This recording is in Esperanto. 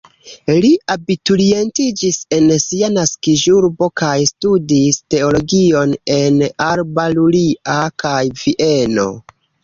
Li abiturientiĝis en sia naskiĝurbo kaj studis teologion en Alba Iulia kaj Vieno.